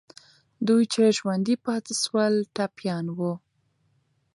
دوی چې ژوندي پاتې سول، ټپیان وو.